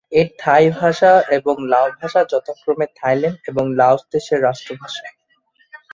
এর থাই ভাষা এবং লাও ভাষা যথাক্রমে থাইল্যান্ড এবং লাওস দেশের রাষ্ট্রভাষা।